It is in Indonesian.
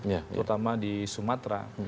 terutama di sumatera